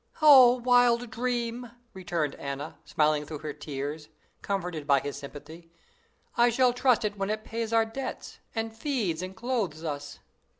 "O, the wild dream!" returned Anna, smiling through her tears, comforted by his sympathy, "I shall trust it when it pays our debts, and feeds and clothes us.